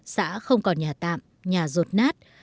xã không có nhà tạm nhà rột nát